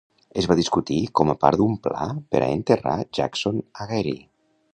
Es va discutir com a part d'un pla per a enterrar Jackson a Gary.